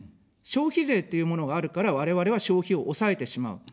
消費税っていうものがあるから、我々は消費を抑えてしまう。